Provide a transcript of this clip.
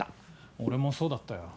俺もそうだったよ。